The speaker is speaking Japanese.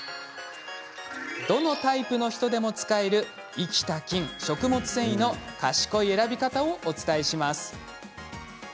どのタイプの人でも使える生きた菌食物繊維の賢い選び方をお伝えします。